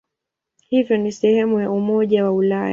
Hivyo ni sehemu ya Umoja wa Ulaya.